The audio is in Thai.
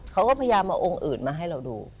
เขาก็พยายามเอาองค์อื่นมาให้เราดู